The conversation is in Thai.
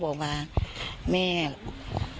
บอกว่านอนไม่หลับขี่ก็ไม่ออกไทยก็ไม่ออก